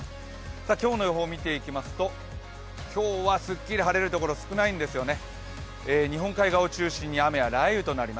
今日の予報見ていきますと今日はすっきり晴れるところ少ないんですよね。